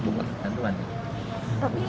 keliatannya dari kominfo